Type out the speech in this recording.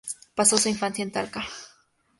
Pasó su infancia en Talca.